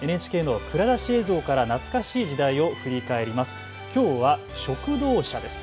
ＮＨＫの蔵出し映像から懐かしい時代を振り返ります。